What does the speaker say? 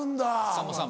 さんまさん